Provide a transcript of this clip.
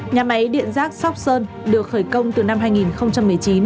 nhà máy điện rác sóc sơn được khởi công từ năm hai nghìn một mươi chín